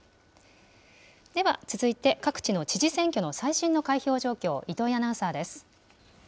では続いて、各地の知事選挙の最新の開票状況、糸井アナウンサーです。